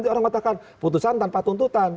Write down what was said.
tidak ada keputusan tanpa tuntutan